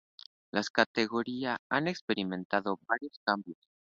Las categorías han experimentado varios cambios.